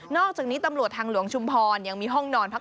นอกจากนี้ตำรวจทางหลวงชุมพอร์น